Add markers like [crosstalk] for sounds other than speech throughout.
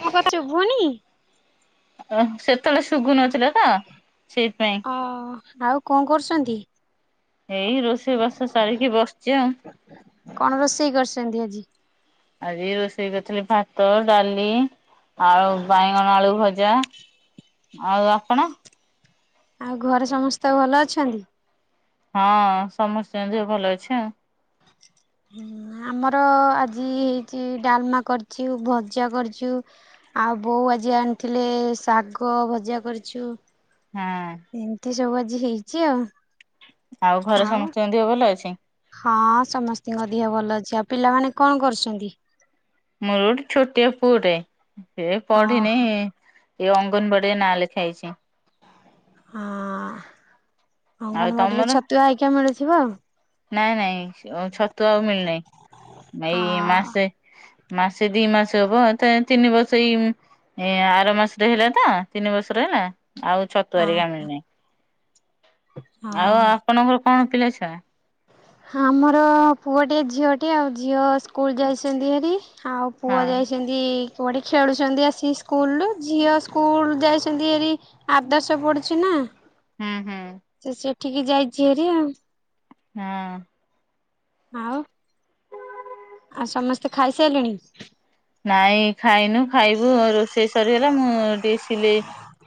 ମୋ କଥା ଶୁଭୁନି? ଅ ସେତେବେଳେ ସୁବୁନଥି ଆ ଆଉ କଣ କରୁଛ? ଛନ୍ତି? ଏଇ ରୋଷେଇ ବାସ ସାରିକି ବସିଛି ଆଉ କଣ ରୋଷେଇ କରିଛନ୍ତି ଆଜି? ଆଜି ରୋଷେଇ କରିଥିଲି ଭାତ ଡାଲି ଆଉ ବାଇଗଣ ଆଳୁ ଭଜା ଆଉ ଆପଣ? ଆଉ ଘରେ ସମସ୍ତେ ଭଲ ଅଛନ୍ତି? ହଁ ସମସ୍ତେଙ୍କ ଦେହ ଭଲ ଅଛି ଆଉ। ଆମର ଆଜି ହେଇଛି ଡାଲମା କରିଛୁ ଭଜା କରିଛୁ ଆଉ ବୋଉ ଆଜି ଆଣିଥିଲେ ଶାଗ ଭଜା କରିଛୁ। ହଁ ଏମିତି ସବୁ ଆଜି ହେଇଛି ଆଉ। ଘରେ ଆଉ ସମସ୍ତଙ୍କ ଦେହ ଭଲ ଅଛି ହଁ ସମସ୍ତିଙ୍କ ଦେହ ଭଲ ଅଛି। ପିଲାମାନେ କଣ କରୁଛନ୍ତି? ମୋର ଗୋଟେ ଛୋଟିଆ ପୁଅଟେ। ଏ ପଢିନି। ଓହୋ ଏ ଅଙ୍ଗନୱାଡିରେ ନାଁ ଲେଖା ହେଇଛି। ହ। ଆଉ ଅଙ୍ଗନବାଡିରେ ତମର ଛତୁଆ ହେଇକା ମିଳୁଥିବ। ନାଇଁ ନାଇଁ। ଛତୁ ଆଉ ମିଳିନାହିଁ ଏଇ ହଁ ମାସେ ମାସେ ଦି ମାସ ହବ ତ ତିନି ବର୍ଷ ଏଇ ଆର ମାସରେ ହେଲା ତ ତିନି ବର୍ଷର ହେଲା। ଆଉ ହଁ ଛତୁଆରିକା ମିଳିନେଇ। ଆଉ ଆପଣଙ୍କର? କଣ ପିଲାଛୁଆ? ହ ଆମର ପୁଅଟିଏ ଝିଅଟିଏ ଆଉ ଝିଅ ସ୍କୁଲ ଯାଇଛନ୍ତି ହେରି ଆଉ ହଁ ପୁଅ ଯାଇଛନ୍ତି ତ ଏଠି ଖେଳୁଛନ୍ତି ଆସି ସ୍କୁଲରୁୁ ଝିଅ ସ୍କୁଲ ଯାଇଛନ୍ତି ହେରି ଆଦର୍ଶ ପଡ଼ୁଛି ନା। ହୁଁ ହୁଁ। ଟିକେ ଯାଇଛି ହେରେ ଆଉ। ହଁ ଆଉ? ଆଉ ସମସ୍ତେ ଖାଇସାରିଲେଣି? ନାଇଁ ଖାଇନୁ ଖାଇବୁ ରୋଷେଇ ସରିଗଲା ମୁଁ ଟିକେ ସିଲେଇ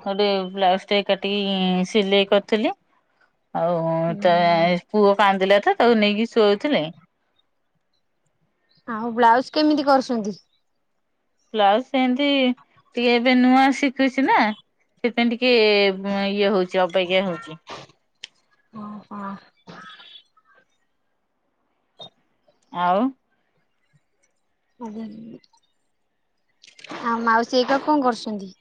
ଗୋଟେ ବ୍ଲାଉଜ ଟେ କାଟିକି ସିଲେଇ କରିଥିଲି। ହଉ ତ ପୁଅ କାନ୍ଦିଲା। ତାକୁ ନେଇକି ଶୁଆଉଥିଲେ। ଆଉ ବ୍ଲାଉଜୁ କେମିତି କରୁଛନ୍ତି। ବ୍ଲାଉଜୁ ଏମତି ଟିକେ ଏବେ ନୂଆ ଶିଖୁଛି ନା ସେପାଇଁ ଟିକେ ଇଏ ହଉଛି ଅପେକ୍ଷା ହଉଛି। ଓ ହ। ଆଉ ଆ ମାଉସୀ ହେରିକା କଣ କରୁଛନ୍ତି?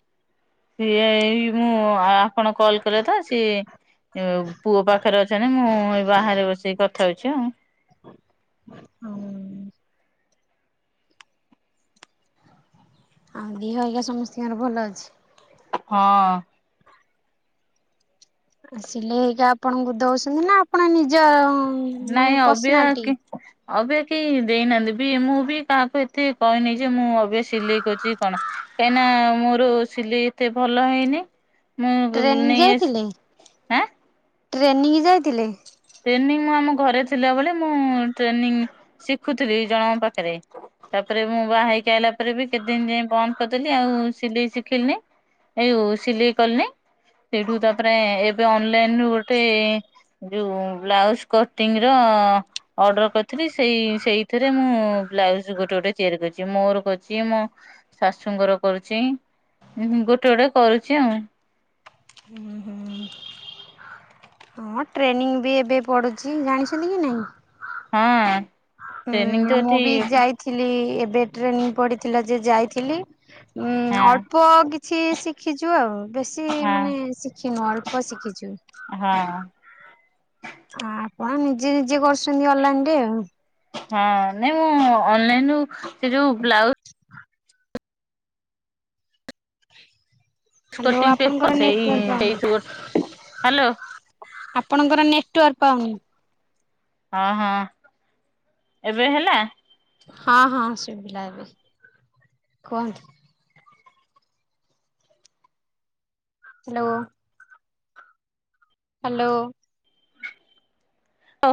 ସେଇ ମୁଁ ଆ ଆପଣ କଲ କଲେ ତ ସିଏ ପୁଅ ପାଖରେ ଅଛନ୍ତି, ମୁଁ ଏଇ ବାହାରେ ବସିକି କଥା ହଉଛି ଆଉ। ଆଉ ଦିହ ହେରିକା ସମସ୍ତଙ୍କର ଭଲ ଅଛି? ହଁ। ଆସିଲେ ଏଇଖା ଆପଣଙ୍କୁ ଦଉଛନ୍ତି ନା ଆପଣ ନିଜ ମାନେ ନାଇଁ ଅବୟ ପର୍ସନାଲିଟି କି ଅବୟ କି ଦେଇନାହାନ୍ତି ବି ମୁଁ ବି କାହାକୁ ଏତେ କହିନି ଯେ ମୁଁ ଏବେ ସିଲେଇ କରୁଛି କି କଣ, କାହିଁନା ମୋର ସିଲେଇ ଏତେ ଭଲ ହେଇନି। ମୁଁ ବ ଟ୍ରେନିଂ ନେଇ ଆସ, ଯାଇଥିଲେ? ଆଁ। ଟ୍ରେନିଂ ଯାଇଥିଲେ? ଟ୍ରେନିଂ ଆମ ଘରେ ଥିଲାବେଳେ ମୁଁ ଟ୍ରେନିଂ ଶିଖୁଥିଲି ଜଣଙ୍କ ପାଖରେ ତାପରେ ମୁଁ ବାହା ହେଇକି ଆଇଲା ପରେ ବି କେତେ ଦିନ ଯାଏ ବନ୍ଦ କରିଦେଲି ଆଉ ସିଲେଇ ଶିଖିଲିନି ଏଇ ସିଲେଇ କଲିନି ସେଇଠୁ ତାପରେ ଏବେ ଅନଲାଇନ ରୁ ଗୋଟେ ଯୋଉ ବ୍ଲାଉଜ କଟିଂ ର ଅର୍ଡର କରିଥିଲି ସେଇ ସେଇଥିରେ ମୁଁ ବ୍ଲାଉଜ ଗୋଟେ ଗୋଟେ ତିଆରି କରିଛି ମୋର କରଛି, ମୋ ଶାଶୁଙ୍କର କରୁଛି, ଗୋଟେ ଗୋଟେ କରୁଛି ଆଉ। ହଁ ଟ୍ରେନିଂ ବି ଏବେ ପଡୁଛି, ଜାଣିଛନ୍ତି କି ନାହିଁ? ହଁ। ଟ୍ରେନିଂ ହୁଁ ତ ମୁଁ ଏଠି ବି ଯାଇଥିଲି। ଏବେ ଟ୍ରେନିଂ ପଡ଼ିଥିଲା ଯେ ଯାଇଥିଲି। ଉଁ ହଁ ଅଳ୍ପ କିଛି ଶିଖିଛୁ ଆଉ ବେଶୀ ହଁ ମାନେ ଶିଖିନୁ ଅଳ୍ପ ଶିଖିଛୁ। ହଁ ଆପଣ ନିଜେ ନିଜେ କରୁଛନ୍ତି ଅନଲାଇନ ରେ ଆଉ। ହଁ ନାଇଁ ମୁଁ ଅନଲାଇନ ରୁ ସେ ଯୋଉ ବ୍ଲାଉଜ। [unintelligible] [unintelligible] ଆପଣଙ୍କର ପର୍ ନେଟୱାର୍କ ପାଉନି ସେଇ ହ୍ୟାଲୋ। ଆପଣଙ୍କର ନେ ୱର୍କ୍ ପାଉନି। ହଁ ହଁ, ଏବେ ହେଲା? ହଁ ହଁ ଶୁଭିଲା ଏବେ, କୁହନ୍ତୁ। ହ୍ୟାଲୋ। ହ୍ୟାଲୋ। ହ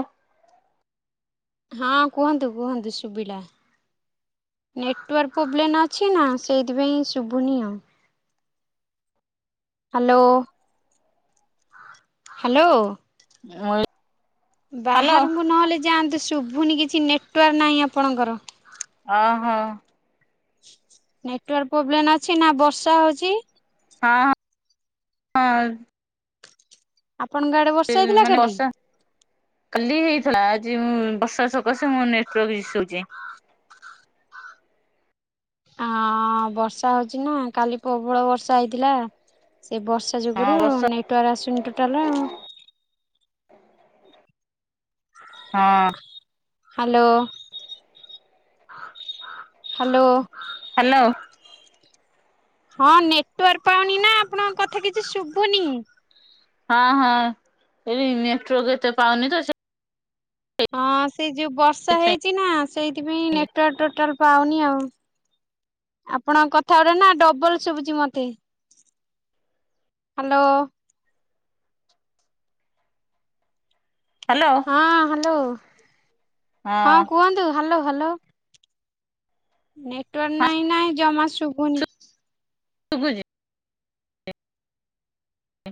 ହଁ କୁହନ୍ତୁ କୁହନ୍ତୁ ଶୁଭିଲା ନେଟୱାର୍କ ପ୍ରୋବ୍ଲେମ ଅଛି ନା ସେଇଥିପାଇଁ ଶୁଭୁନି ଆଉ। ହ୍ୟାଲୋ। ହ୍ୟାଲୋ। [unintelligible] ହ୍ୟାଲୋ ବାହାରକୁ ନହେଲେ ଯାଆନ୍ତି। ଶୁଭୁନି କିଛି ନେଟୱାର୍କ ନାହିଁ ଆପଣଙ୍କର। ଓ ହୋ। ନେଟୱାର୍କ ପ୍ରୋବ୍ଲେମ ଅଛି ନା ବର୍ଷା ହଉଛି। ହଁ। ହଁ ଆପଣଙ୍କ ଆଡେ ବର୍ଷା ହେଇଥିଲା ମାନେ କାଲି? ବର୍ଷା କାଲି ହେଇଥିଲା ଆ ଯି ମୁଁ ବର୍ଷା ସକାଶେ ମୋ ନେଟୱାର୍କ ଇସୁଚି। ଅଁ ବର୍ଷା ହଉଚି ନାଁ କାଲି ପବଳ ବର୍ଷା ହେଇଥିଲା। ସେ ବର୍ଷା ହଁ ଯୋଗୁରୁ ବର୍ଷା ନେଟୱାର ଆସୁନି ଟୋ ତାଲା ଆଉ ହଁ। Hello hello. ହାଲୋ। ହଁ ନେଟୱାର୍କ ପାଉନି ନାଁ ଆପଣଙ୍କ କଥା କିଛି ଶୁଭୁନି। ହଁ ହଁ ଏଇ ନେଟୱାର୍କ ଏତେ ପାଉନି ତ ସେ ହଁ ସ୍ ସେଇ ଯୋଉଁଳ ବର୍ଷା ସେଥିପାଇଁ ହେଇଚି ନାଁ ସେଇଥିପାଇଁ ନେଟୱାର୍କ ଟୋଟାଲ୍ ପାଉନି ଆଉ ଆପଣଙ୍କ କଥାଉରା ନାଁ ଡବଲ ଶୁଭୁଚି ମତେ। ହାଲୋ। ହ୍ୟାଲୋ ହଁ ହାଲୋ। ହଁ କୁହନ୍ତୁ ହାଲୋ। ହାଲୋ। ନେଟୱାର୍ ହଁ ନାଇଁ ନାହିଁ ଜମା ଶୁବୁନି। ଶୁଭୁଚି। ଇ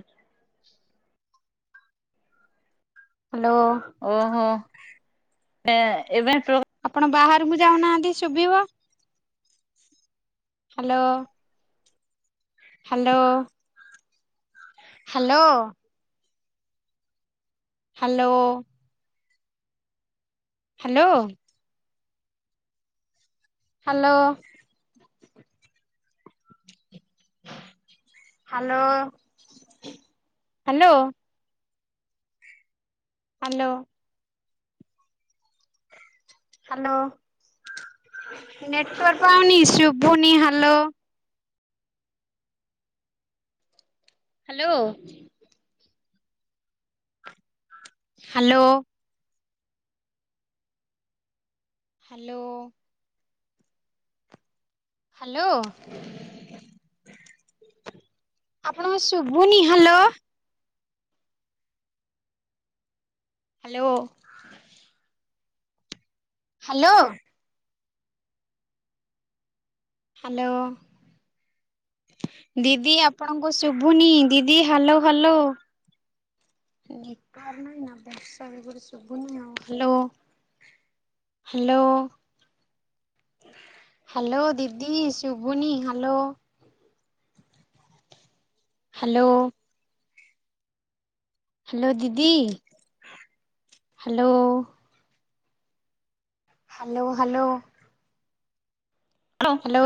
ହ୍ୟାଲୋ ଓହୋ। ଏ ଏବେ ନେଟୱାର୍କ ଆପଣ ବାହାର କୁ ଯାଉନାହାନ୍ତି ବୁଡିବ। Hello. Hello. Hello. Hello. Hello. Hello hello hello. Hello. Hello network ନି ଶୁଭୁନି hello. Hello. Hello hello hello ଆପଣଙ୍କୁ ଶୁଭୁନି ହାଲୋ। ହାଲୋ। ହାଲୋ। ହାଲୋ ଦିଦି ଆପଣଙ୍କୁ ଶୁଭୁନି ଦିଦି hello hello, hello hello hello ଦିଦି ଶୁଭୁନି ହାଲୋ। ହାଲୋ। ହାଲୋ ଦିଦି hello. Hello hello. Hello hello.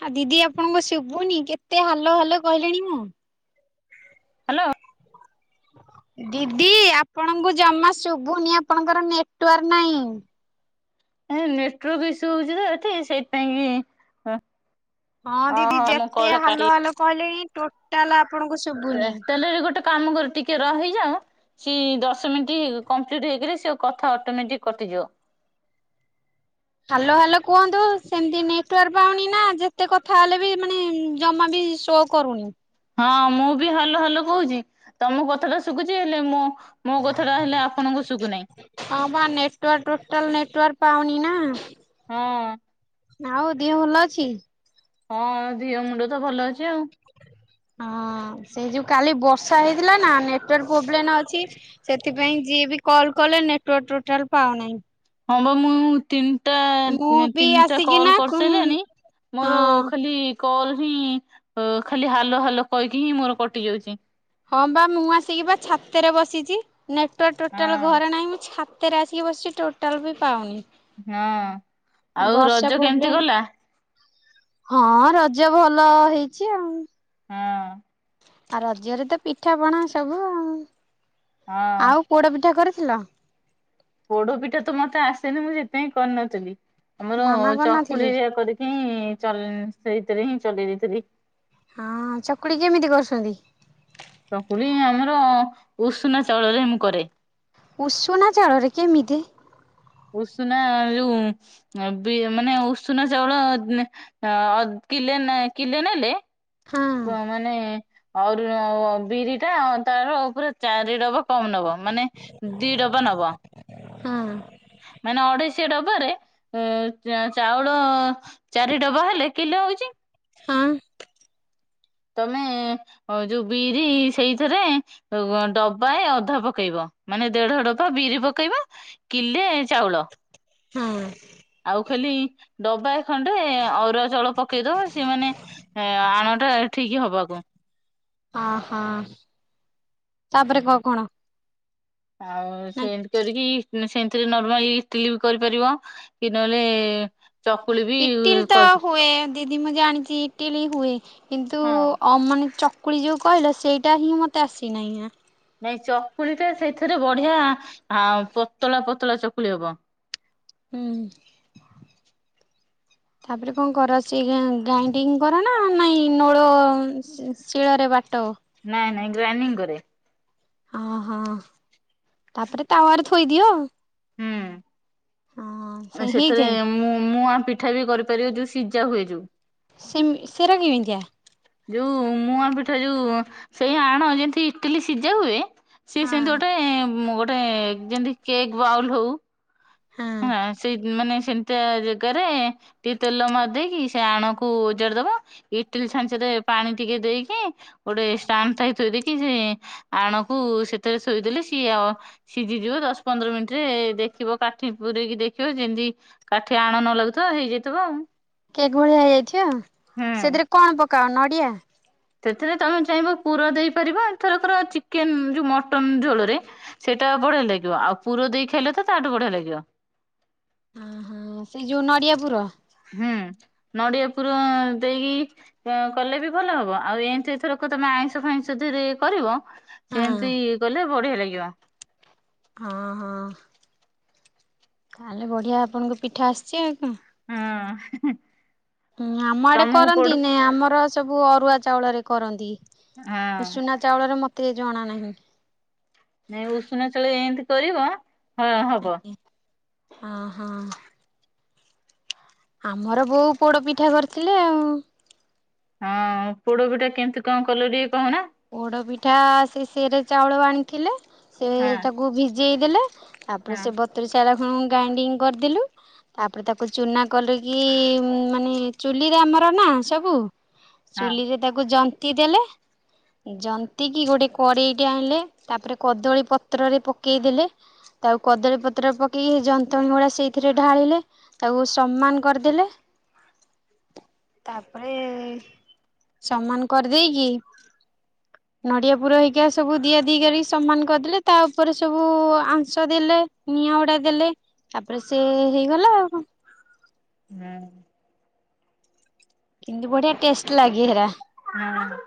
ହ ଦିଦି ଆପଣଙ୍କ ଶୁଭୁନି କେତେ ହାଲୋ ହାଲୋ କହିଲେଣି ମୁଁ ହ୍ୟାଲୋ, ଦିଦି ଆପଣଙ୍କୁ ଜମା ଶୁଭୁନି ଆପଣଙ୍କର ନେଟୱାର୍କ ନାହିଁ। ନେଟୱର୍କ ଇସୁ ହଉଛି ତ ଏଠି ସେଇଥିପାଇଁ କି ହଁ ଦିଦି ଓହୋ ମୁଁ ଯେତେ କଲ୍ କାଟି ହାଲୋ ହାଲୋ କହିଲେଇ ଟୋଟାଲା ତାହେଲେ ଗୋଟେ କାମ କର ଟି ଟିକେ ରହିଯା ସି ଦଶ ମିନିଟ୍ କମ୍ପ୍ଲିଟ ହେଇକରି ସେ କଥା ଅଟୋମେଟିକ କଟିଯିବ। ହ୍ୟାଲୋ ହ୍ୟାଲୋ କୁହନ୍ତୁ ସେମିତି ନେଟୱାର୍କ ପାଉନି ନା ଯେତେ କଥା ହେଲେ ବି ମାନେ ଜମା ବି ଶୋ କରୁନି। ହଁ ମୁଁ ବି ହାଲୋ ହାଲୋ କହୁଛି ତମ କଥାଟା ଶୁଭୁଛି ହେଲେ ମୁଁ ହଁ ବା ନେଟୱର୍କ ଟୋଟାଲ ନେଟୱର୍କ ପାଉନି ନା ହଁ ଆଉ ଦେହ ଭଲ ଅଛି? ହଁ ଦିଅ ମୁଣ୍ଡ ତ ଭଲ ଅଛି ଆଉ ହଁ ସେଇ ଯୋଉ କାଲି ବର୍ଷା ହେଇଥିଲା ନା ନେଟୱାର୍କ ପ୍ରୋବ୍ଲେମ୍ ଅଛି ସେଥିପାଇଁ ଯିଏ ବି କଲ୍ କଲେ ନେଟୱାର୍କ ଟୋଟାଲ ପାଉନାହିଁ। ହଁ ବା ମୁଁ ତିନି ଟା ମୁଁ ବି ତିନିଟା କଲ୍ ଆସିକିନା କୁ କରିସାରିଲଣି ହଁ ମୋର ଖାଲି କଲ ହିଁ ଖାଲି ହାଲୋ ହାଲୋ କହିକି ହିଁ ମୋର କଟି ଯାଉଛି। ହଁ ବା ମୁଁ ଆସିକି ବା ଛାତରେ ବସିଚି। ନେଟୱାର୍କ ହଁ ଟୋଟାଲ୍ ଘରେ ନାହିଁ ଛାତ ଉପରେ ଆସିକି ବସିଛି ଟୋଟାଲ ବି ପାଉନି। ହଁ ଆଉ ବର୍ଷା ରଜ କେମିତି ପ୍ରୋବ୍ଲେମ ଗଲା। ହଁ ରଜ ଭଲ ହେଇଛି ଆଉ। ହଁ ଅଁ ଆଉ ରଜରେ ତ ପିଠାପଣା ସବୁ ଆଉ ହଁ ଆଉ ପୋଡପିଠା କରେ। ରି ଥିଲ? ପୋଡପିଠା ତ ମତେ ଆସେନି ମୁଁ ସେଥିପାଇିଁ କରିନଥିଲି। ଆମର ମାମା ଚକୁଳି କରିନଥିଲେ? କରିକି ହିଁ ସେ ସେଥିରେ ହିଁ ଚଲେଇ ଦେଇଥିଲି। ହଁ ଚକୁଲି କେମିତି କରୁଛନ୍ତି। ଚକୁୁଳି ଆମର ଉଷୁନା ଚାଉଳରେ ମୁଁ କରେ ଉଷୁନା ଚାଉଳରେ କେମିତି? ଉଷୁନା ଯୋଉ ମାନେ ଉଷୁନା ଚାଉଳ ଅ କିଲେ କିଲେ ନେଲେ ହଁ ମାନେ ଅହୁରି ବିରିଟା ତାର ଉପରେ ଚାରି ଡବା କମ୍ ନବ ମାନେ ଦି ଡବା ନବ। ହଁ ମାନେ ଅଢେଇଶିଆ ଡବାରେ ଚାଉଳ ଚାରି ଡବା ହେଲେ କିଲେ ହଉଛି ହଁ ତମେ ଯୋଉ ବିରି ସେଇଥିରେ ଡବାଏ ଅଧା ପକେଇବ ମାନେ ଦେଢ ଡବା ବିରି ପକେଇବ କିଲେ ଚାଉଳ। ହଁ। ଆଉ ଖାଲି ଡବାଏ ଖଣ୍ଡେ ଅରୁଆ ଚାଉଳ ପକେଇଦବ ସିଏ ମାନେ ଆଣଟା ଠିକ୍ ହବାକୁ। ଓ ହୋ ତାପରେ କହ କଣ? ଆଉ ନା ସେମିତି କରିକି ସେମି ସେଥିରେ ର୍ନମାଲି ଇଟିଲି ବି କରିପାରିବ କି ନହେଲେ ଚକୁଳି ବି ଇଟିଲି ତ କରି ହୁଏ ଦିଦି ମୁଁ ଜାଣିଛି ଇଟିଲି ହୁଏ କିନ୍ତୁ ହଁ ଅ ମାନେ ଚ ଚକୁଳି ଯୋଉ କହିଲ ସେଇଟା ହିଁ ମତେ ଆସେନାହିଁ ନା। ନାଇଁ ଚକୁଳି ଟା ସେଇଥିରେ ବଢିଆ ପତଳା ପତଳା ଚକୁଳି ହବ। ହୁଁ ତାପରେ କଣ କରୁଛି ଗ୍ରାଇଣ୍ଡିଙ୍ଗ୍ କର ନା ନାଇଁ ନୋଳ ଶିଳରେ ବାଟ। ନାଇଁ ନାଇଁ ଗ୍ରାଇଣ୍ଡିଙ୍ଗ୍ କରେ। ହଁ ହଁ ତାପରେ ତାୱରେ ଥୋଇଦିଅ ଆଉ। ହୁଁ। ସେ ସେଥେରେ ହେଇଯାଏ। ମୁଁ ମୁଁ ମୁଆଁ ପି ପିଠା ବି କରିପାରିବ ଯୋଉ ସିଜା ହୁଏ ଯୋଉ। ସେ ସେଗୁରା କେମିତିିଆ? ଯୋଉ ମୁଆଁ ପିଠା ଯୋଉ ସେଇ ଆଣ ଯେମିତି ଇଟିଲି ସିଝା ହୁଏ ସିଏ ହଁ ସେମିତି ଗୋଟେ ଗୋ ସେ ଯେମିତି କେକ୍ ବାଉଲ୍ ହଉ ହଁ ସେଇ ମାନେ ସେମିତିଆ ଜାଗେରେ ଟିକେ ତେଲ ମାରିଦେଇକି ସେ ଆଣକୁ ଓଜାଡି ଦବ ଇଟିଲି ଛାଞ୍ଚରେ ପାଣି ଟିକେ ଦେଇକି ଗୋଟେ ଷ୍ଟାଣ୍ଡ ଟାଏ ଥୋଇ ଦେଇକି ସେ ଆଣକୁ ସେଥେରେ ଥୋଇଦେଲେ ସିଏ ଆଉ ସିଝିଯିବ ଦଶ ପନ୍ଦର ମିନିଟ୍ ରେ ଦେଖିବ କା କାଠି ପୂରେଇକି ଦେଖିବ ଯେମିତି କାଠି ଆଣ ନ ଲାଗୁଥିବ ହେଇଯାଇଥିବ ଆଉ। କେକ୍ ଭଳିଆ ହେଇଯାଇଥିବ ଆଉ ହୁଁ। ସେଥିରେ କଣ ପ କଣ ନଡ଼ିଆ। ସେଥିରେ ତମେ ଚାହିଁବ ପୁର ଦେଇପାରିବ ଥରକର ଚିକେନ୍ ଯୋଉ ମଟନ ଝୋଳରେ ସେଇଟା ବଢିଆ ଲାଗିବ ଆଉ ପୁର ଦେଇ ଖାଇଲେ ତ ତାଠୁ ବଢିଆ ଲାଗିବ। ହଁ ହଁ ସେଇ ଯୋଉ ନଡିଆ ପୁର? ହୁଁ ନଡ଼ିଆ ପୁର ଦେଇକି କଲେ ବି ଭଲ ହବ ଆଉ ଏମିତି ଥରକ ତମେ ଆଇଁଷ ଫାଇଁଷ ଧିଏରେ କରିବ ହଁ ସେମିତି କଲେ ବଢିଆ ଲାଗିବ। ହଁ ହଁ ତାହେଲେ ବଢିଆ ଆପଣଙ୍କ ପିଠା ଆସିଛି ଆଉ। ହଁ ହୁଁ ଆମ ଆଡେ ତମକୁ କରନ୍ତି ପଡୁ ନାଇଁ ଆମର ସବୁ ଅରୁଆ ଚାଉଳରେ କରନ୍ତି। ହଁ ଉସୁନା ଚାଉଳରେ ମ ଜଣା ନାହିଁ। ନାଇଁ ଉଷୁନା ଚାଉଳରେ ଏମିତି କରିବ ହଁ ହବ। ହ ହୋ ଆମର ବୋଉ ପୋଡ ପିଠା କରିଥିଲେ ଆଉ ହଁ ପୋଡ ପିଠା କେମତି କଣ କଲୁ ଟିକେ କହୁନା ପୋଡ ପିଠା ସେ ସେରେ ଚାଉଳ ଆଣିଥିଲେ ସେ ହଁ ତାକୁ ବି ଯେଇ ଦେଲେ ଆପରେ ହଁ ସେ ବତରି ଶାଳା ହଁ ଗ୍ରାଇଣ୍ଡିଙ୍ଗ କରିଦେଲୁ ତାପରେ ତାକୁ ଚୁନା କରିକି ମାନେ ଚୁଲିରେ ଆମର ନା ସବୁ ହଁ ଚୁଲିରେ ତାକୁ ଯନ୍ ତି ଦେଲେ ଜନ୍ତିକି ଗୋଟେ କଡେଇଟେ ଆଣିଲେ ତାପରେ କଦଳୀ ପତ୍ରରେ ପକେଇଦେଲେ ତାକୁ କଦଳୀ ପତ୍ରରେ ପକେଇକି ହେଇ ଯନ୍ତଣୀଗୁଡା ସେଇଥିରେ ଢାଳିଲେ ତାକୁ ସମାନ କରିଦେଲେ ତାପରେ ସମାନ କରିଦେଇକି ନଡିଆ ପୁର ହେଇକି ଆଉ ସବୁ ଦିଆ ଦି କରିକି ସମାନ କରିଦେଲେ ତା ଉପରେ ସବୁ ଆଂସ ଦେଲେ ନିଆଁ ଗୁଡା ଦେଲେ ତାପରେ ସେ ହେଇଗଲା ଆଉ କ। ହୁଁ। କିନ୍ତୁ ବଢିଆ ଟେଷ୍ଟ ଲାଗେ ହେରା। ହୁଁ।